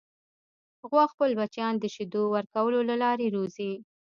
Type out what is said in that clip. غوا خپل بچیان د شیدو ورکولو له لارې روزي.